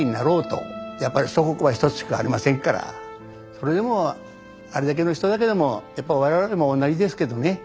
それでもあれだけの人だけどもやっぱ我々でもおんなじですけどね